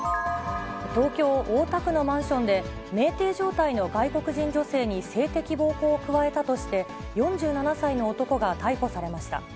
東京・大田区のマンションで、めいてい状態の外国人女性に性的暴行を加えたとして、４７歳の男が逮捕されました。